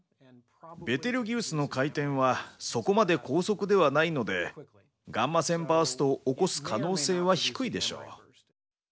ベテルギウスの回転はそこまで高速ではないのでガンマ線バーストを起こす可能性は低いでしょう。